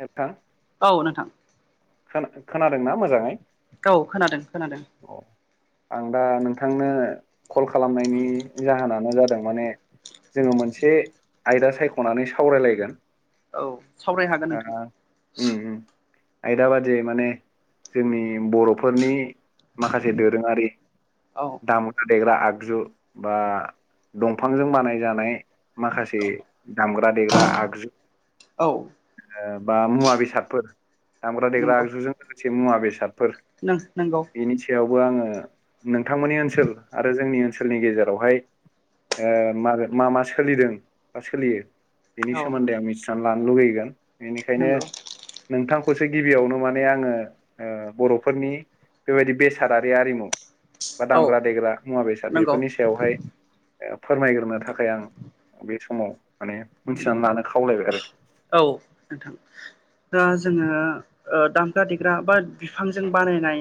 नोंथां औ नोंथां। खोना-खोनादोंना मोजाङै? औ खोनादों खोनादों। अ आं दा नोंथांनो कल खालामनायनि जाहोनानो जादों माने जोङो मोनसे आयदा सायख'नानै सावरायलायगोन। औ सावरायनो हागोन ओ नोंथां। उम उम आयदा बादि माने जोंनि बर'फोरनि माखासे दोरोङारि औ दामुदा देग्रा आग बा दंफानंजों बानायजानाय माखासे दामग्रा बा देग्रा आगजु औ। ओ बा मुवा बेसादफोर दामग्रा देग्रा नंगौ आगजुजों लोगोसे मुवा बेसाद फोर नंगौ बेनि सायावबो आङो नोंथांमोननि ओनसोल आरो जोंनि ओन सोलनि गेजेरावहाय ओ मा मा मा सोलिदों बा सोलियो। बेनि औ सोमोन्दै आं मिथिनान लानो लुुबैगोन बेनिखायनो नंगौ नोंथां खौसो गिबियावनो माने आङो ओ बर'फोरनि बेबायदि बेसादारि हारिमु बा औ दामग्रा देग्रा मुवा बेसाद नंगौ बेफोरनि सायावहाय फोरमायगोरनो थाखाय आं बे समाव माने मिथिनान लानो खावलायबाय आरो औ नोंथां दा जोङो ओ दामग्रा देग्रा बा बिफांजों बानायनाय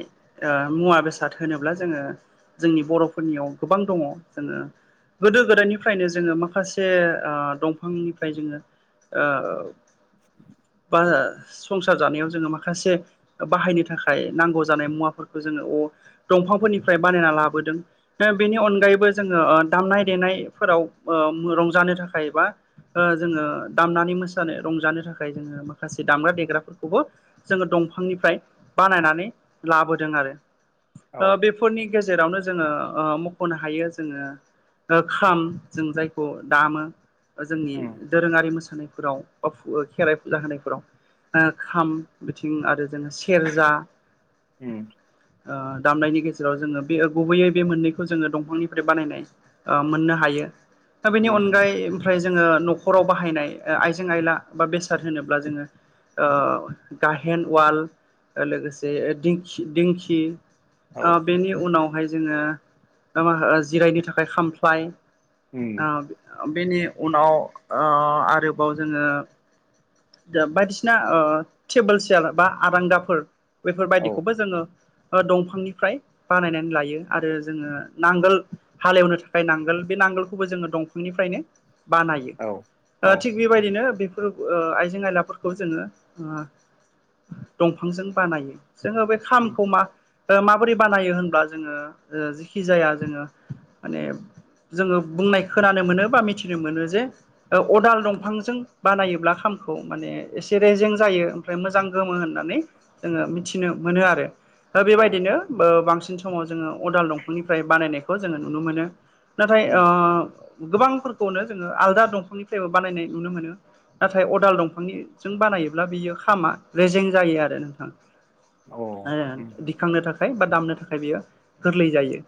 ओ मुवा बेसाद होनोब्ला जों जोङो जोंनि बर'फोरनियाव गोबां दङ' जोङो गोदो गोदायनिफ्रायनो जोङो माखासे आ दंफांनिफ्राय जोङो औ। [unintelligible] संसार जानायाव जोङो माखासे बाहायनो थाखाय नांगौ जानाय मुवाफोरखौ जोङो अ दंफांफोरनिफ्राय बानायना लाबोदों दा बेनि अनगायैबो जोङो ओ दामनाय देनायफोराव ओ उम रंजानो थाखाय बा ओ जोङो दामनानै मोसानो रंजानो थाखाय जोङो माखासे दामग्रा देग्राफोरखौबो जोङो दंफांनिफ्राय बानायनानै लाबोदों आरो औ ओ बेफोरनि गेजेरावनो जोङो ओ मख'नो हायो जोङो ओ खाम जों जायखौ दामो जोंनि उम दोरोङारि मोसा उनफोराव बा फु खेराइ फुजा होनायफोराव। ओ खाम बिथिं आरो जोङो सेरजा उम ओ दामनायनि गेजेराव जोङो बे गुबैयै बे मोननैखौ जोङो दंफांनिफ्राय बानायनाय ओ मोननो हायो। दा बेनि उम उम अनगायै ओमफ्राय जोङो न'खराव बाहायनाय ओ आइजें आइला बा बेसाद होनोब्ला जोङो ओ गाहेन, अवाल लोगोसे दिंखि दिंखि औ ओ बेनि उनावहाय जोङो मा जिरायनो थाखाय खामफ्लाय उम ओ बेनि उनाव ओ आरोबाव जोङो दा बायदिसिना ओ टेबोल, सियार बा आरांगाफोर औ बेफोरबादिखौबो जोङो दंफांनिफ्राय बानायनानै लायो आरो जोङो नांगोल हालेवनो थाखाय नांगोल बे नांगोलखौबो जोङो दंफांनिफ्रायनो बानायो। औ औ थिग ओ बेबायदिनो बेफोर ओ आइ जें आइलाफोरखौ जोङो दंफांजों बानायो। जोङो बे उम खामखौ मा माबोरै बानायो होन बा जोङो जिखि जाया जोङो माने जोङो बुंनाय खोनानो मोनो बा मिथिनो मोनो जे ओ अदाल दंफांजों बानायोब्ला खाम खौ माने एसे रेजें जायो ओमफ्राय मोजां गोमो होननानै जोङो मिथिनो मोनो आरो। दा औ बेबायदिनो ओ बांसिन समाव जोङो अदाल दंफांनिफ्राय बानायनायखौ जोङो नुनो मोनो। नाथाय ओ उम गोबां फोरखौनो जोङो आलदा दंफांनिफ्रायबो बानायनाय नुनो मोनो। नाथाय अदाल दंफांनिजों बानायोब्ला बियो खामा रेजें जायो आरो नोंथां। औ ओ अ दिखांनो थाखाय बा दामनो थाखाय बियो गोरलै जायो।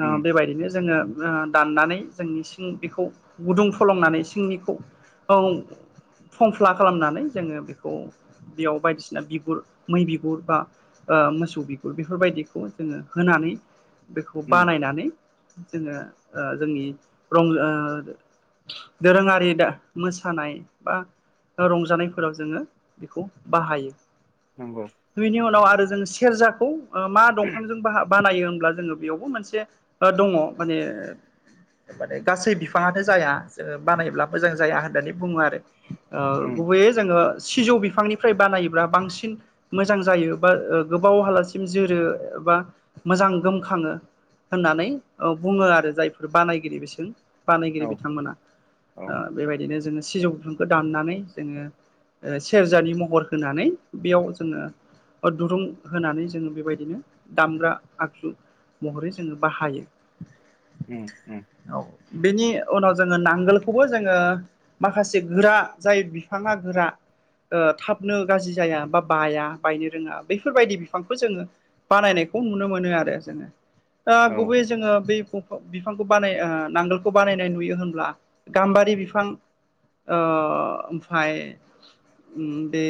ओ उम बेबायदिनो जोङो ओ दाननानै जोंनि सिं बेखौ गुदुं फलंनानै सिंनिखौ औ। खंख्ला खालामनानै जोङो बेखौ बेयाव बायदिसिना बिगुर मै बिगुर बा ओ मोसौ बिगुर बेफोरबायदिखौ जोङो होनानै बेखौ उम बानायनानै जोङो जोंनि रंजा ओ दोरोङारि दा मोसानाय बा रंजानायफोराव जोङो बेखौ बाहायो। नंगौ बिनि उनाव आरो जों सि सेरजाखौ ओ मा दंफांजों बाहाब बानायो होनब्ला जोङो बेयावबो मोनसे दङ माने माने गासै बिफाङानो जाया जोङो बानायब्ला मोजां जाया होननानै बुङो आरो। ओ उम गुबैयै जोङो सिजौ बिफांनिफ्राय बानायोब्ला बांसिन मोजां जायो बा गोबाव हालासिम जोरो बा मोजां गोमखाङो होननानै ओ बुङो आरो जायफोर बानायगिरि बिसोर। बानायगिरि औ बिथांमोना औ बेबायदिनो जोङो सिजौ बिफांखो दाननानै जोङो ओ सेरजानि महर होनानै बेयाव जोङो दुरुं होनानै जोङो बेबायदिनो दामग्रा आगजु महरै जोङो बाहायो। उम उम। बेनि उनाव जोङो नांगोलखौबो जोङो माखासे गोरा जाय बिफाङा गोरा ओ थाबनो गाज्रि जाया बा बाया, बायनो रोङा बेफोरबायदि बिफांखौ जोङो बानायनाय खौ नुनो मोनो आरो जोङो। ओ औ गुबै जोङो बै बिफांखौ बानाय ओ नांगोलखौ बानायनाय नुयो होनब्ला गाम्बारि बिफां ओ ओमफ्राय बे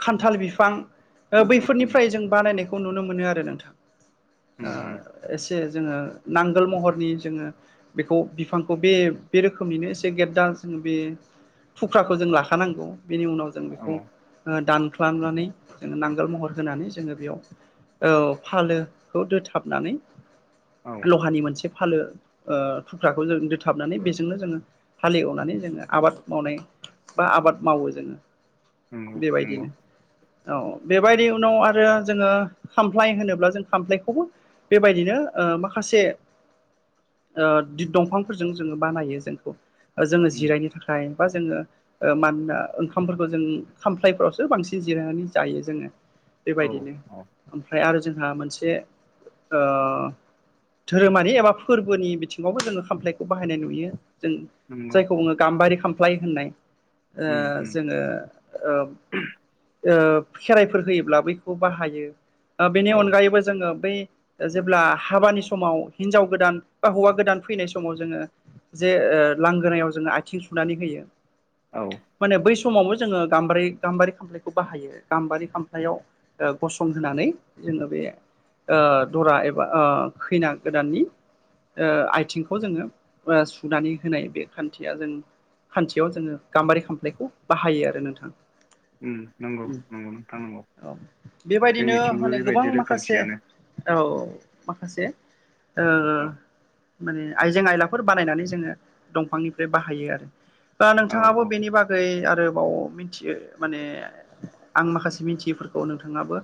खान्थाल बिफां। उम बैफोरनिफ्राय जों बानायनायखौ नुनो मोनो आरो नोंथां। उम ओ एसे जोङो नांगोल महरनि जोङो बेखौ बिफांखौ बे बे रोखोमनिनो एसे गेददा जोङो बे [inaudible] [unintelligible] फुख्राखौ जों लाखानांगौ बेनि उनाव जों औ बेखौ ओ दान ख्लांनानै जोङो नांगोल महर होनानै जोङो बेयाव औ फालो खौ दोथाबनानै औ लहानि मोनसे फालो ओ थुख्राखौ जों दोथाबनानै बेजोंनो जोङो हालेवनानै जोङो आबाद मावनाय बा आबाद मावो जोङो नंगौ नंगौ बेबायदिनो औ औ। बेबायदि उनाव आरो जोङो खामफ्लाय होनोब्ला जों खामफ्लायखौबो बेबायदिनो ओ माखासे [unintelligible] [inaudible] ओ दिद दंफांफोरजों जोङो बानायो जोंखौ ओ जोङो उम जिरायनो थाखाय बा जोङो ओ माननोना ओंखामफोरखौ जों खामफ्लायफोरावसो बांसिन जिरायनानै जायो जोङो। औ बेबायदिनो औ ओमफ्राय आरो जोंहा मोनसे ओ धोरोमारि एबा फोरबोनि बिथिङावबो जोङो खामफ्लायखौ बाहायनाय नुयो। जों नंगौ जायखौ बुङो गाम्बारि खामफ्लाय होन्नाय। ओ उम उम जोङो ओब ओब खेराइफोर होयोब्ला बैखौ बाहायो ओ बेनि औ अनगायैबो जोङो बै ओ जेब्ला हाबानि समाव हिनजाव गोदान बा हौवा गोदान फैनाय समाव जोङो जे ओ लांगोनायाव जोङो आयथिं सुनानै होयो औ माने बै सम समावबो जोङो गाम्बीरि गाम्बारि खामफ्लायखौ बाहायो गाम्बारि खामफ्लायाव ओ गसं होनानै जोङो बे ओ दरा एबा ओ खैना गोदाननि ओ आयथिंखौ जोङो ओ सुनानै होनाय बे खान्थिया जों खान्थियाव जोङो गाम्बारि खामफ्लायखौ बाहायो आरो नोंथां। नंगौ उम नंगौ नोंथां नंगौ औ बेबायदिनो जोंनिथिंबो माने गोबां बेबायदि माखासे रोखोमसेयानो औ माखासे ओ औ माने आइजें आइलाफोर बानायनानै जोङो दंफांनिफ्राय बाहायो आरो बा नोंथ औ थाङाबो औ बेनि बागै आरोबाव मिन्थियो माने आं माखासे मिन्थियिफोरखौ नोंथां ङाबो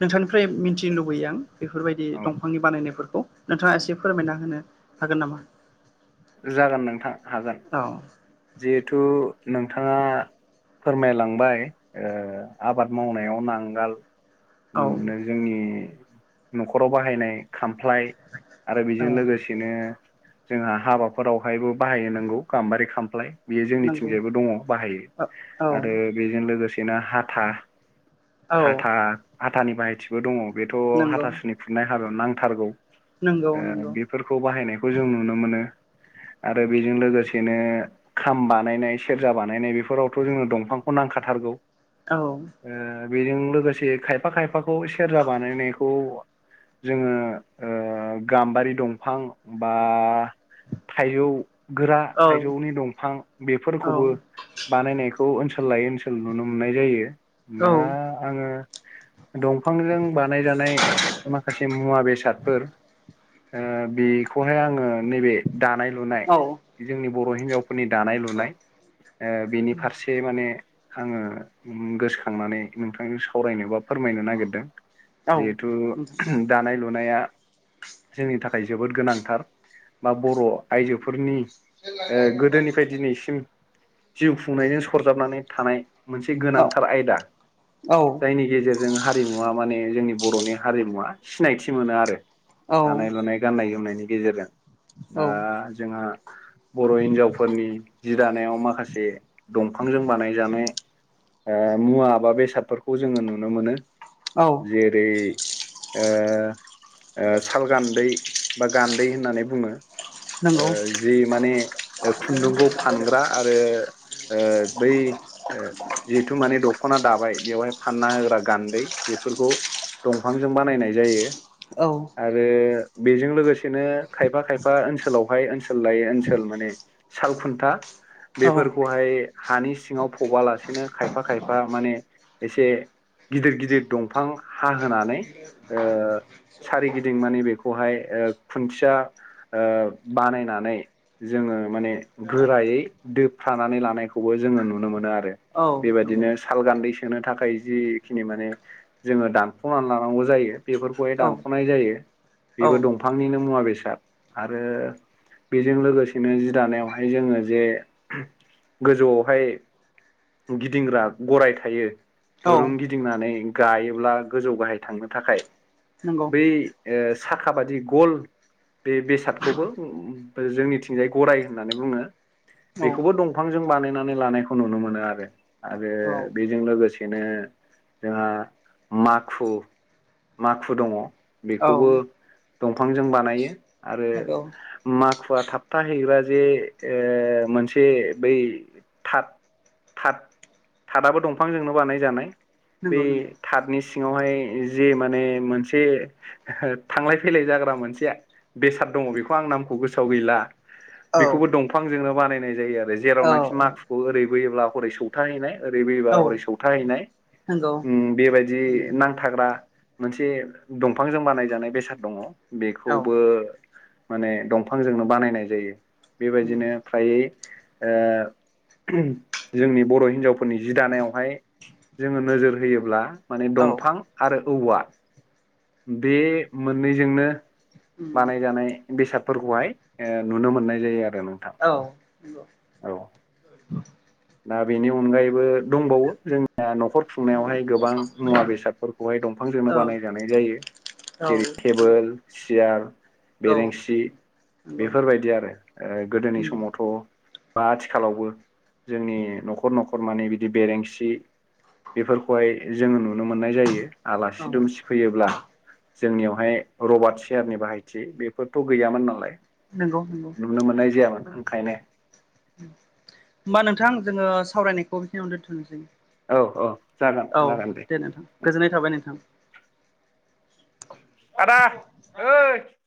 नोंथांनिफ्राय मिन्थिनो लुबैयो आं। बेफोरबायदि औ दंफांनि बानायनायफोरखौ नोंथाङा एसे फोरमायना होनो हागोन नामा। जागोन नोंथां हागोन औ जिहेथु नोंथाङा फोरमायलांबाय ओ आबाद मावनायाव नांगाल उम औ नों जोंनि न'खराव बाहायनाय खाम। ख्लाय आरो औ बिजों लोगोसेनो जोंहा हाबाफोरावहायबो बाहायो नोंगौ गाम्बारि खामफ्लाय। बेयो नंगौ जोंनिथिंजायबो दङ' बाहायो औ आरो बेजों लोगोसेनो हाथा। औ हाथा हाथानि बाहायथिबो दङ' बेथ' नंगौ हाथासुनि खुरनाय हाबायाव नांथारगौ। नंगौ ओ नंगौ बेफोरखौ बाहायनायखौ जों नुनो मोनो। आरो बेजों लोगोसेनो खाम बानायनाय सेरजा बानायनाय बेफोरावथ' जोंनो दंफांखौ नांखाथारगौ। औ। ओ बेजों लोगोसे खायफा खायफाखौ सेरजा बानायनायखौ जोङो ओ गाम्बारि दंफां बा थाइजौ गोरा औ थाइजौनि दंफां औ बेफोरखौबो बानायनायख खौ ओनसोल लायै ओनसोल नुनो मोन्नाय जायो दा औ आङो दंफांजों बानाय जानाय माखासे मुवा बेसादफोर। ओ बेखौहाय आङो नैबे दानाय लुनाय औ जोंनि बर' हिनजावफो दानाय लुनाय ओ बेनि फारसे माने आङो उम गोसोखांनानै नोंथांजों सावरायनो बा फोरमायनो नागिरदों। जिहेथु दानाय लु नाया जोंनि थाखाय जोबोद गोनांथार बा बर' आइजोफोरनि [inaudible] [unintelligible] गोदोनिफाय दिनैसिम जिउ खुंनायजों सरजाबनानै थानाय। मोनसे गोनांथार आयदा औ जायनि गेजेर जों हारिमुवा माने जोंनि बर'नि हारिमुवा सिनायथि मोनो आरो। दानाय लुनाय गान्नाय जोमनायनि गेजेरजों। औ दा जोंहा बर' हिनजाव। फोरनि जि दानायाव माखासे दंफांजों बानायजानाय। ओ मुवाबा बेसादफोरखौ जोङो नुनो मोनो। औ जेरै ओ ओ साल गान्दै बा गान्दै होननानै बुङो। ओ नंगौ जि माने खुन्दुंखौ फानग्रा आरो। ओ बै जिथु माने दख'ना दाबाय बेवहाय फानना होग्रा गान्दै। बेफोरखौ दंफांजों बानायनाय जायो औ आरो। बेजों लोगोसेनो खायफा खायफा ओनसोलावहाय ओनसोल लायै ओनसोल माने साल खुन्था औ बेफोरखौहाय हानि सिङाव फबालासेनो खायफा खायफा माने एसे गिदिर गिदिर दंफां हा होनानै ओ सारिगिदिं माने बेखौहाय ओ खुन्थिया ओ बानायनानै जोङो माने गोरायै दोबफ्रानानै लानायखौबो जोङो नुनो मोनो आरो। औ नंगौ बेबायदिनो साल गान्दै सोनो थाखाय जिखिनि माने जोङो दानख'नानै लानांगौ जायो बेफोरखौहाय औ दानख'नाय जायो। बेबो दंफांनिनो मुवा बेसाद आरो बेजों लोगोसेनो दानायावहाय जोङो जे गोजौआवहाय गिदिंग्रा गराय थायो। औ दुरुं गिदिंनानै गायोब्ला गोजौ गाहाय थांनो थाखाय। नंगौ बै ओ खाबादि गल बे बेसादखौबो जोंनिथिंजाय गराय होननानै बुङो। औ बेखौबो दंफांजों बानायनानै लानायखौ नुनो मोनो आरो । आरो औ बेजों लोगोसेनो जोंहा माखु माखु दङ। औ बेखौबो दंफांजों बानायो आरो नंगौ माखुवा थाब थाहैग्रा जे ओ मोनसे बै थाट थाट थाटदाबो दंफांजोंनो बानायजानाय बे नंगौ नंगौ थाटदनि सिङावहाय जे माने मोनसे थांलाय फैलाय जाग्रा मोनसे बेसाद दङ बेखौ आं नामखौ गोसोआव गैला। औ बेखौबो दंफांजोंनो बानायनाय जायो आरो। औ जेरावनाखि माखुखौ ओरैबोयोब्ला हरै सौथाहैनाय ओरै औ बोयोब्ला हरै सौथाहैनाय नंगौ औ ओ बेबायदि औ नांथाग्रा मोनसे दंफांजों बानायजानाय बेसाद दङ। बेखौबो औ माने दंफांजोंनो बानायनाय जायो । बेबायदिनो नंगौ फ्रायै ओ जोंनि बर' हिनजावफोरनि जि दानायावहाय जोङो नोजोर होयोब्ला माने औ दंफां आरो औवा। बे मोननैजोंनो बानायजानाय बेसादफोरखौहाय ओ नुनो मोननाय जायो आरो नोंथां। औ। दा बेनि अनगायैबो दंबावो जोंनिया न'खर खुंनायावहाय गोबां मुवा बेसादफोरखौहाय दंफांजोंनो नंगौ औ नंगौ बानायजानाय जायो । जेरै टेबोल सियार औ बेरेंसि नंगौ बेफोरबायदि आरो गोदोनि समावथ' बा आथिखालावबो जोंनि न'खर न'खर माने बिदि बेरेंसि बेफोरखौहाय जोङो नुनो मोननाय जायो । आलासि दुमसि फैयोब्ला जोंनियावहाय रबार्ट सेयारनि बाहायथि बेफोरथ' गैयामोन नालाय। नंगौ होमबा नुनो मोननाय जायामोन ओंखायनो। होमबा नोंथां जोङो सावरायनायखौ बेखिनियावनो दोनथ'नोसै। औ औ जागोन औ जागोन दे नोंथां। गोजोननाय थाबाय नोंथां। आदा ओइ